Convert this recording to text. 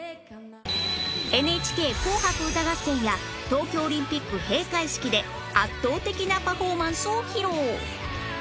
『ＮＨＫ 紅白歌合戦』や東京オリンピック閉会式で圧倒的なパフォーマンスを披露